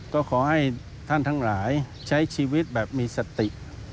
ก็ขอให้ท่านทั้งหลายใช้ชีวิตแบบมีสติ